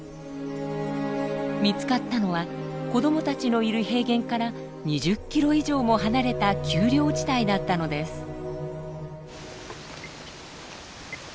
見つかったのは子どもたちのいる平原から２０キロ以上も離れた丘陵地帯だったのです。